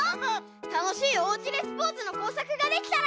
たのしいおうちでスポーツのこうさくができたら！